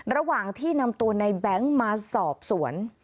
ระหว่างที่นำตัวในแบงค์มาสอบสวน